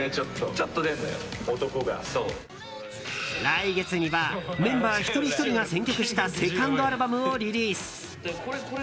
来月にはメンバー、一人ひとりが選曲したセカンドアルバムをリリース。